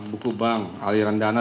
buku bank aliran dana